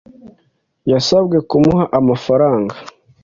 Yasabwe kumuha amafaranga.